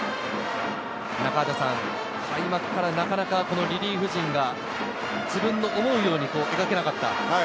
中畑さん、開幕からなかなかリリーフ陣が自分の思うように描けなかった。